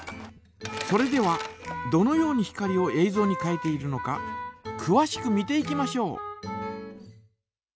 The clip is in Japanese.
それではどのように光をえいぞうに変えているのかくわしく見ていきましょう。